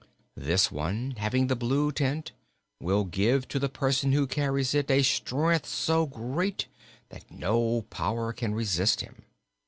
This one having the blue tint will give to the person who carries it a strength so great that no power can resist him.